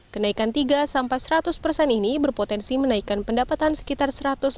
kenaikan tiga sampai seratus persen ini berpotensi menaikkan pendapatan sekitar satu ratus dua puluh